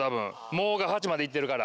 「も」が８までいっているから。